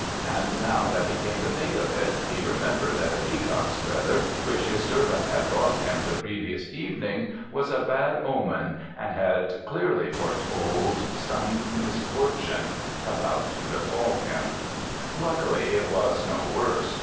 And, now that he came to think of it, he remembered that a peacock's feather which his servant had brought him the previous evening was a bad omen, and had clearly foretold some misfortune about to befall him; luckily it was no worse.